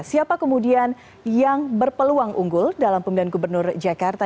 siapa kemudian yang berpeluang unggul dalam pemilihan gubernur jakarta